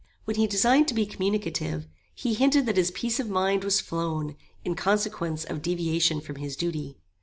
When he designed to be communicative, he hinted that his peace of mind was flown, in consequence of deviation from his duty.